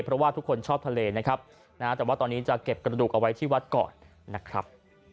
เพราะว่าทุกคนชอบทะเลนะครับแต่ว่าตอนนี้จะเก็บกระดูกเอาไว้ที่วัดก่อนนะครับ